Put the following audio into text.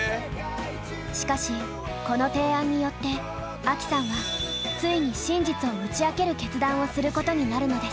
しかしこの提案によってアキさんはついに真実を打ち明ける決断をすることになるのです。